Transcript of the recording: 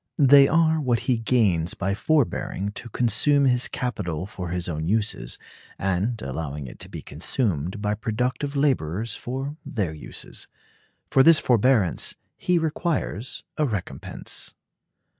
They are what he gains by forbearing to consume his capital for his own uses, and allowing it to be consumed by productive laborers for their uses. For this forbearance he requires a recompense.